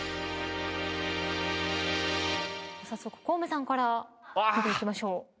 コウメさんからいきましょう。